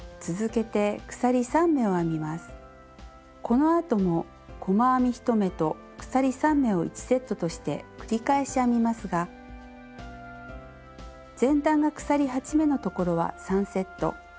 このあとも細編み１目と鎖３目を１セットとして繰り返し編みますが前段が鎖８目のところは３セット。